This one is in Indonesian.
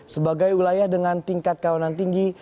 sebagai wilayah dengan tingkat kawanan tinggi